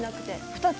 ２つ。